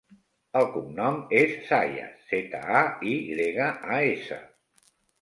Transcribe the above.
El cognom és Zayas: zeta, a, i grega, a, essa.